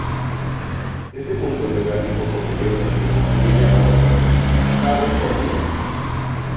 Este punto geográfico posteriormente seria llamado como "cabo Corrientes".